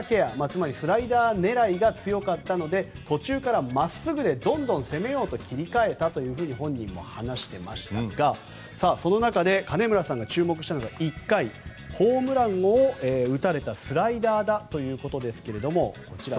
つまりスライダー狙いが強かったので途中からまっすぐでどんどん攻めようと切り替えたというふうに本人も話していましたがその中で金村さんが注目したのが１回ホームランを打たれたスライダーだということですが。